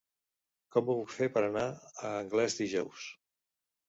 Com ho puc fer per anar a Anglès dijous?